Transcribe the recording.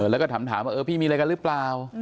แล้วก็ถามว่าพี่มีอะไรกันหรือเปล่า